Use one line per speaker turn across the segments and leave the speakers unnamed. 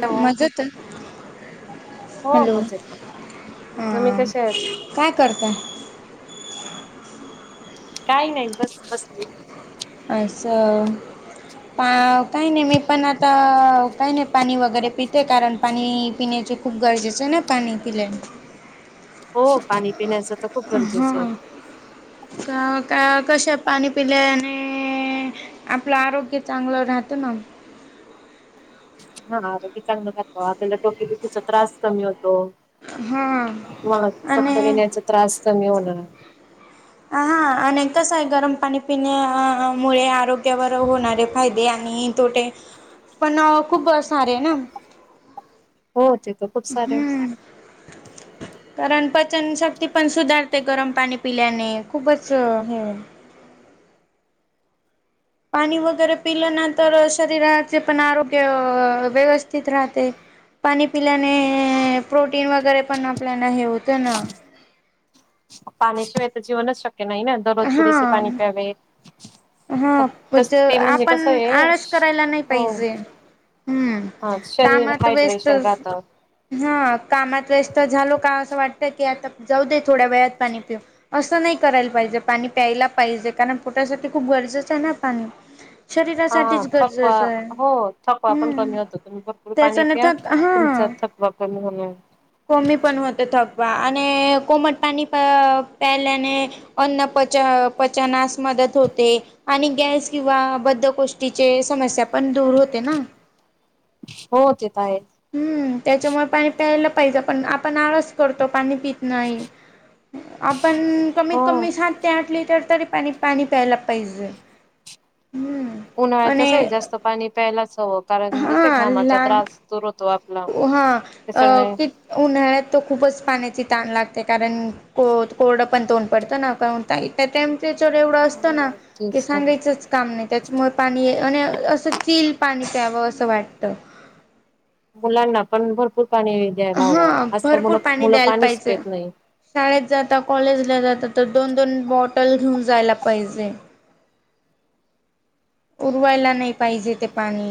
Hello
मज तर
हो
हॅलो
मजेत तुम्ही
ह
कसे आहेत?
काय करताय
काही नाही बस बसले
अससं पा काही नाही मी पण आता काही नाही पाणी वगैरे पित कारण पाणी पिण्याचे खूप गरजेचं ना पाणी पिल्यान
हो पाणी पिण्याच तर खूप
हा
गरजेचं आहे.
का का कश पाणी पिले आणि आपलं आरोग्य चांगलं राहत ना
हा चांग खातो आपल्याला टोककीचा त्रास कमी होतो
हा.
म
आणि
सक्कर येण्याचा त्रास कमी होणार
आ हा अनेकच आहे गरम पाणी पिण्यामुळे आरोग्यावर होणारे फायदे आणि तोटे पण खूप सारे आहे ना
हो ते त खूप सारे
[inaudible] कारण पचनशक्ती पण सुधारते गरम पाणी पिल्याने खूपच हे पाणी वगैरे पिलं नांतर शरीराचे पण आरोग्य व्यवस्थित राहते पाणी पिल्याने प्रोटीन वगैरे पण आपल्याला हे होतं ना
पाणी शिवेय तर जीवनच शक्य नाही ना दररोज पुरीसे पाणी प्यावे तस
हाज
ते म्हणजे
आपण
कसं आहे
आळस करायला नाही
हो
पाहिजे हम्म
हा शरीर
कामात वेस्त
हायड्रेशन राहतं.
हा कामात वेस् तर झालो का असं वाटतं की आता जाऊ दे थोड्या वेत पाणी पिऊ असं नाही करायला पाहिजे पाणी प्यायला पाहिजे कारण पोटासाठी खूप गरजेचं आहे ना पाणी
हा
शरीरासाठीच
थकवा
गरजेचं आहे
हो थकवा पण
हम्म
कमी होतो तुम्ही भरपूर पाणी
त्याच्याने
पिया
थक
तुमचा थ बाप हो
कोमी पण होते थकवा आणि कोमट पाणी प पेलेने अन्न प पचनास मदत होत आणि गॅस किंवा बद्ध गोष्टीचे समस्या पण दूर होते ना
हो ते येत आहे
हम्म त्याच्यामुळे पाणी प्यायला पाहिजे पण आपण आळस तो पाणी पित नाही आपण कमीत
हो
कमी सात ते आठ लिटर तरी पाणी पाणी प्यायला पाहिजे हम्म
उन्हाळ्यात तस
आणि
आहे जास्त पाणी प्यायलाच हवं कारण जस
हा
घामाचा
लहान
त्रास दूर होतो आपला
हा अ
त्याच्याने
कि उन्हाळ्यात तो खूपच पाण्याची ताण लागते कारण को कोरडं पण तोंड पडतं ना पण त्या टेम्परेचर एवढं असतं ना
हो
की
तेच ना
सांगायचंच काम नाई त्याचमुळ पाणी ए अ अन अ असं चिल्ड पाणी प्यावं असं वाटतं.
मुलांना पण भरपूर पाणी द्यायला हवं
हा
आजकाल
भरपूर
मुलं
पाणी
मुलं
द्यायला
पाणीच
पाहिजे.
पेत नाही.
शाळेत जाता कॉलेजला जाता तर दोन दोन बॉटल घेऊन जायला पाहिजे. उरवायला नाही पाहिजे ते पाणी.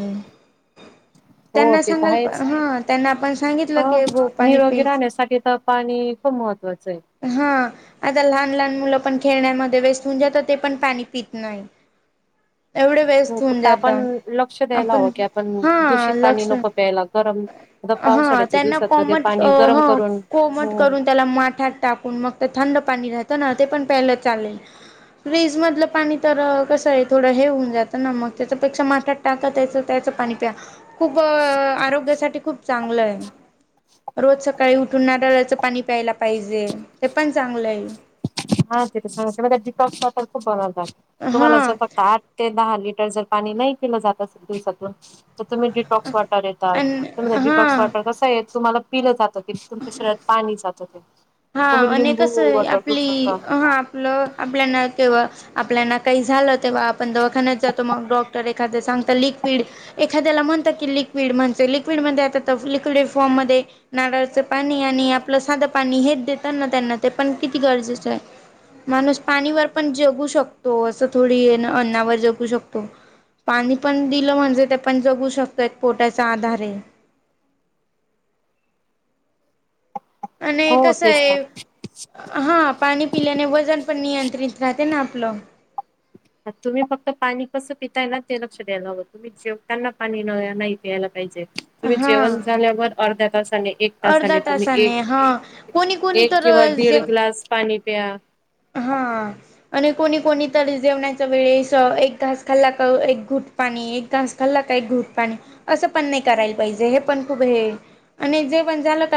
हो
त्यांना
ते त
सांगाल
हायेच
हा त्यांना आपण सांगितलं
हो
की भो पाणी
निरोगी
प्यायच
राहण्यासाठी तर पाणी खूप महत्त्वाचं आहे.
हां आता लहान लहान मुलं पण खेळण्यामध्ये व्यस्त होऊन जाता ते पण पाणी पीत नाही. [inaudible] एवढे
हो
व्यस्त होऊन
फक्त आपण
जातं
लक्ष द्यायला
आपण
हवं की दूषित
हां
पाणी
लक्ष
नको प्यायला गरम आता
हां
पावसाळ्याच्या
त्यांना
दिवसात तर ते
कोमट
पाणी गरम
हां
करून
कोमट
हो
करून त्याला माठात टाकून मग ते थंड पाणी राहतं ना ते पण प्याला चालेल. फ्रीज मधलं पाणी तर अ कसं आहे थोडं हे होऊन जातं ना मगं त्याच्यापेक्षा माठात टाका त्याच त्याच पाणी प्या खूप अ आरोग्यासाठी खूप- चांगलं आहे रोज सकाळी उठून नारळाचं पाणी प्यायला पाहिजे. ते पण चांगलं आहे.
हा तेथ सांगायच
हा
[unintelligible] ते दहा लिटर जर पाणी नाही केलं जात असेल दिवसातून तर तुम्ही डी टॉक्स वॉटर येतात
आणि
पण हे डिटॉक्स
हा
वॉटर कसंय तुम्हाला पिलं जातं. [unintelligible] शरीरात पाणी जात ते.
हां
तुम्ही
आणि
लिंबू
कसंय
वॉटर घेऊ
आपली
शकता
हां पल आपल्या ना तेव्हा आपल्याना काही झालं तेव्हा आपण दवाखान्यात जातो मग डॉक्टर ये एखाद सांगता लिक्विड एखाद्याला म्हणतात की लिक्विड म्हणज लिक्विडमध्ये आता त लिक्विड फॉर्म मध्ये नाराळाचं पाणी आणि आपलं साधं पाणी हेच देताना त्यांना ते पण किती गरजेचं आहे. माणूस पाणीवर पण जगू शकतो असं थोडी ना अन्नावर जगू शकतो पाणी पण दिलं म्हणजे ते पण जगू शकतात एक पोटाच्या आधारे. आणि
हो
कसं
तेच
आहे
ना.
हां पाणी पिल्याने वजन पण नियंत्रित राहते ना आपलं.
तुम्ही फक्त पाणी कसं पिताय ना ते लक्ष द्यायला हवं तुम्ही जेवतांना पाणी नव नाही प्यायला पाहिजे तुम्ही
हा
जेवण झाल्यावर अर्ध्या तासाने एक
अर्धा
तासाने तुम्ही
तासाने हा
एक
कोणी कोणी
एक
तर
किंवा दीड ग्लास पाणी प्या.
हां. आणि कोणी कोणीतरी जेवण्याच्या वेळेस एक घास खाल्ला का एक घुट पाणी एक घास खाल्ला का एक घूट पाणी असं पण नाही करायला पाहिजे हे पण खूप हे य. आणि जे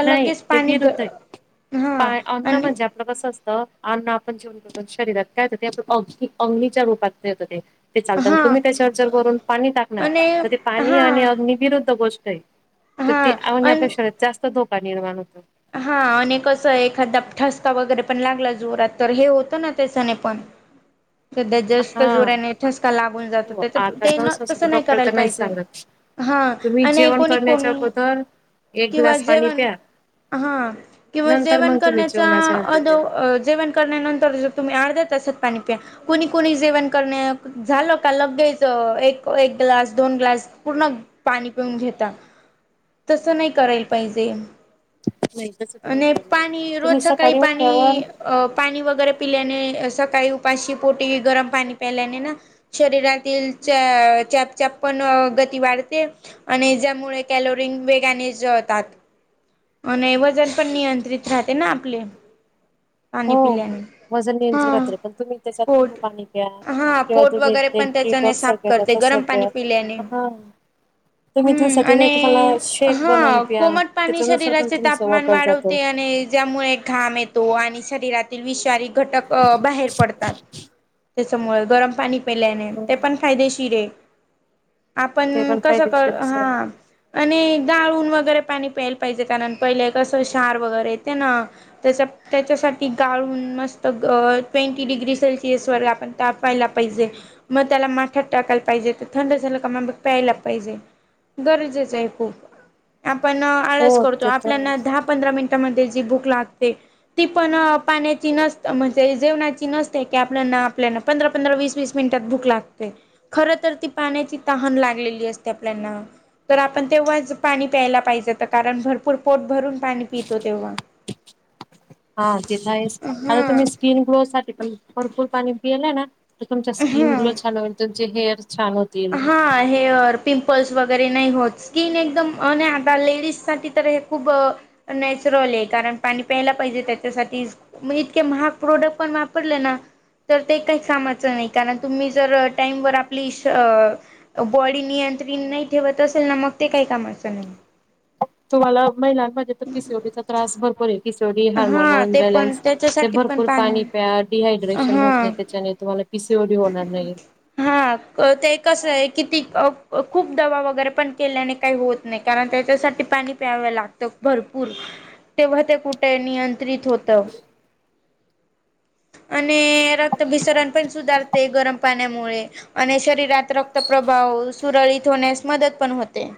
नाही ते विरुद्ध आहे
हा
पा अन्न
आणि
म्हणजे आ पल कसं असतं अन्न आपण जेवण शरीरात काय ते आपण अंग अग्नीच्या रूपात ते होत ते. ते चालत
हा
तुम्ही त्याच्या चल भरुन पाणी टाकणार
आणि
तर ते पाणी
हा
आणि अग्नी विरुद्ध गोष्ट आहे तर
हा
ती आ म्हंजे शरीरात जास्त धोका निर्माण होतो.
हां आणि कसं एखादा ठसका वगैरे पण लागला जोरात तर हे होतं ना त्याच्यानी पणं. [inaudible] सध्या जास्त
हा
जोऱ्याने ठसका लागून जातो
हो
त्याच
आता
ते न
असतं
तसं नाही
डॉक्टर तर
करायला
नाहीच
पाहिजे.
सांगत.
हां
तुम्ही
आणि
जेवण
कोणी
करण्याच्या
कोणी
अगोदर एक ग्लास पाणी प्या
हां किंवा
नंतर
जेवण
मग तुम्ही
करण्याच्या
जेवणाच्या नंतर
अदो
ते
अ जेवण करण्यानंतर ज तुम्ही अर्ध्या तासात पाणी प्या कुणी कुणी जेवण करणे झालं का लगेच एक एक ग्लास दोन ग्लास पूर्ण पाणी पिऊन घेता तसं नाही करायला पाहिजे.
नाही. तसं तर नाही
आणि
करायला हवं.
पाणी
तुम्ही
रोज सकाळी पाणी
उठल्यावर
अ पाणी वगैरे पिल्याने सकाळी उपाशी पोटी गरम पाणी प्यायल्याने ना शरीरातील च चॅप चप पण गती वाढते. आणि ज्यामुळे कॅलोरीन वेगाने जळतात. आणि वजन पण नियंत्रित राहते ना आपले
हो
पाणी पिल्याने.
वजन नियंत्रित
हा
राहते पण तुम्ही त्या
पोट
पाणी्या
हा
किंवा
पोट
तुम्ही
वगैरे पण
डी
त्याच्याने
टॉक्स
साफ करते
तस
गरम
प
पाणी पिल्याने
हा तुम्ही दिवस
हम्म
तुम्हाला
आणि
शेक बनवून
हा
प्या
कोमट पाणी
त्याच्यानुसार पण
शरीराचे
तुमचं
तापमान
वॉटर जातं
वाढवते आणि ज्यामुळे एक घाम येतो आणि शरीरातील विशारी घटक बाहेर पडतात त्याच्यामुळे गरम पाणी पेल्याने
हम्म,
ते पण फायदेशीर आहे
ते
आपण
पण
कस कर
फायदेशीर असं
हा
आहे.
आणि गळून वगैरे पाणी प्यायला पाहिजे कारण पहिले कसं शार वगैरे येते ना तसं त्याच्यासाठी गाळून मस्त ट्वेंटी डिग्री सेल्सिअस वर आपण तापायला पाहिजे मग त्याला माठात टाकायला पाहिजे तर थंड झालं का मग मग प्यायला पाहिजे गरजेच आहे खूप आपण आळस
हो
करतो
ते तर
आपल्याना
आहेच.
दहा पंधरा मिनिटांमध्ये जी बुक लागते ती पण पाण्याची नस म्हणजे जेवणाची नसते की आपल्याना आपल्याला पंधरा पंधरा वीस वीस मिनिटात भूक लागते खर तर ती पाण्याची तहान लागलेली असते आपल्याना तर आपण तेव्हाच पाणी प्यायला पाहिजे तर कारण पुरपोट भरून पाणी पितो तेव्हा
हा तिथं आहे आता
हा
तुम्ही स्किन ग्लो साठी पण भरपूल पाणी पिलंय ना तर तुमचा स्किन
हा
ग्लो छान होईल तुमचे हेअर छान होतील.
हा हे पिंपल्स वगैरे नाही होत स्किन एकदम आणि आता लेडीज साठी तर हे खूप नॅचरल आहे कारण पाणी प्यायला पाहिजे त्याच्यासाठी मग इतके महाग प्रोडक्ट पण वापरले ना तर ते काही कामाचं नाही कारण तुम्ही जर टाइम वर आपली बॉडी नियंत्रित नाही ठेवत असेल ना मग ते काही कामाचं नाही
तुम्हाला मग माजे तर पीसीओडीचा त्रास भरपूर आहे पीसीओडी
हा
हार्मोनन
ते पण
बॅलन्स ते
त्याच्यासाठी पण
भरपूर पाणी प्या डिहायड्रेशन होत
हा
नाही त्याच्याने तुम्हाला पिसीओडी होणार नाही
हा ते कसं आहे कि ती खूप दवा वगैरे पण केल्याने काही होत नाही कारण त्याच्यासाठी पाणी प्यावं लागतं भरपूर तेव्हा ते कुठ ते नियंत्रित होत. आणि रक्तभिसरण पण सुधारते गरम पाण्यामुळे आणि शरीरात रक्त प्रभाव सुरळीत होण्यास मदत पण होते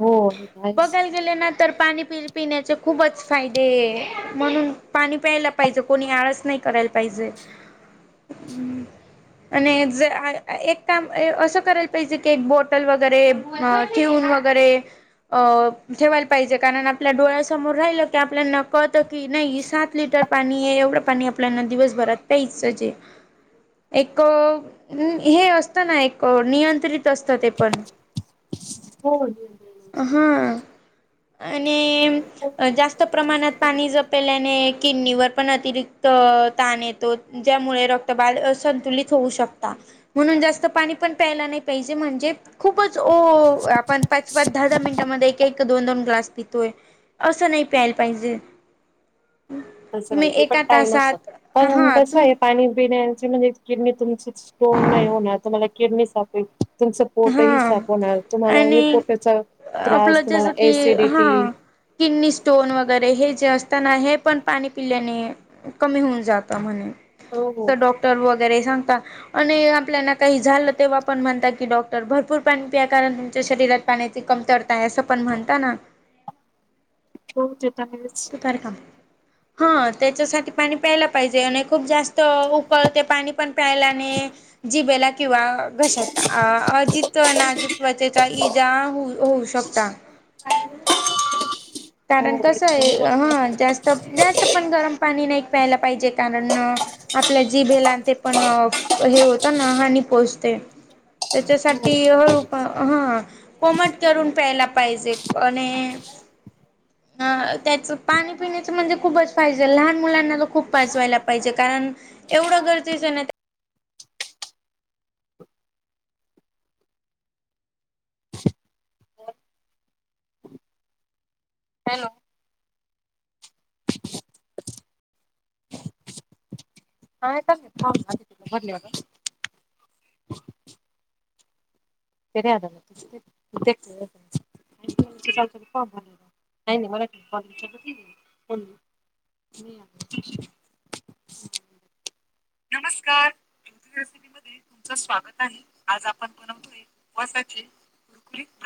हो हायच
बघायला गेले ना तर पाणी पिण्याचे खूपच फायदे म्हणून पाणी प्यायला पाहिजे कोणी आळस नाही करायला पाहिजे [inaudible] आणि ज एक काम असं करायला पाहिजे की एक बॉटल वगैरे अ ठेवून वगैरे अ ठेवायला पाहिजे कारण आपल्या डोळ्यासमोर राहिलं क आपल्याना कळतं की नाही सात लिटर पाणी आहे एवढं पाणी आपल्याना दिवसभरात प्यायच जे [inaudible] एक हे असतं ना एक नियंत्रित असतं ते पण [unintelligible]
[unintelligible]
हा आणि [inaudible] जास्त प्रमाणात पाणी जपल्याने किडनीवर पण अतिरिक्त ताण येतो ज्यामुळे रक्तबाद संतुलित होऊ शकता म्हणून जास्त पाणी पण प्यायला नाही पाहिजे म्हणजे खूपच आपण पाच पाच दहा दहा मिनिटांमध्ये एक दोन दोन ग्लास पितोय असं नाही प्यायला पाहिजे
तसं
तुम्ही
माहिती
एका
पण टाईम अस
तासात
पण
हा
कस
तुम
आहे पाणी पिण्याची म्हणजे किडनी तुमची स्टोन नाही होणार तुम्हाला किडनी साफे तुमचं
हा
पोटही सापवणार तुम्हाला म्हणजे
आणि
पोटाचा
आपलं
त्रास तुम्हाला
जसं की
एसिडिटी
हा किडनी स्टोन वगैरे हे जे असताना हे पण पाणी पिल्याने कमी होऊन जात
हो हो
म्हणे डॉक्टर वगैरे सांगता आणि आपल्याला काही झालं तेव्हा पण म्हणता की डॉक्टर तर भरपूर पाणी पिया कारण तुमच्या शरीरात पाण्याची कमतरता आहे असं पण म्हणता ना
होता
का हा त्याच्यासाठी पाणी प्यायला पाहिजे आणि खूप जास्त उकळ ते पाणी पण प्यायला आणि जिबेला किंवा घशातज नाजूक त्वचेचा इजा हो होऊ शकता कारण कसं आहे
हो
हा जास्त जास्त पण गरम पाणी नाही प्यायला पाहिजे कारण आपल्या जी बेलान ते पण हे होत ता ना हानी पोहोचते त्याच्यासाठी हळू
हॅलो
ह कोमट करून प्यायला पाहिजे आणि त्याचं पाणी पिण्याचं म्हणजे खूपच फहिजे लहान मुलांना तर खूप पाचवायला पाहिजे कारण एवढं गरजेचं ना
हॅलो हा चा्य ह आ न्यवाद सरी आ म्या चालतलण नाही नाही मराठीॉ नाही नमस्कार तुमचं स्वागत आहे आज आपण बनवतोय वसाचे कुरकुरीत